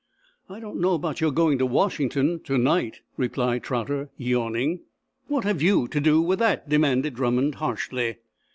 "I don't know about your going to Washington to night," replied Trotter, yawning. "What have you to do with that?" demanded Drummond, harshly.